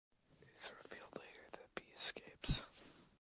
It is revealed later that be escapes.